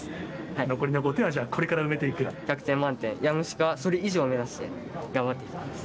残りの５点はこれから埋めて１００点満点、もしくはそれ以上を目指して、頑張っていきます。